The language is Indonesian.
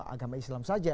agama islam saja